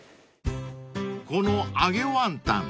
［この揚げワンタン］